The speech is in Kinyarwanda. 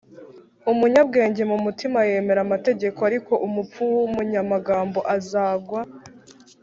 umunyabwenge mu mutima yemera amategeko, ariko umupfu w’umunyamagambo azagwa